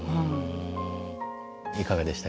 いかがでした？